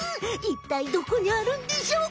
いったいどこにあるんでしょう？